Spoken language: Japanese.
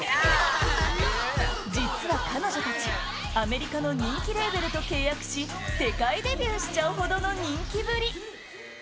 実は彼女たちアメリカの人気レーベルと契約し世界デビューしちゃうほどの人気ぶり！